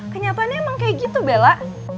kenyataannya emang kayak gitu bella